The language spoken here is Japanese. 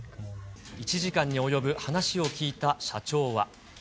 １時間に及ぶ話を聞いた社長は。